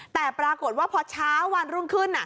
แต่ปรากฏว่าพอเช้าวันรุ่งขึ้น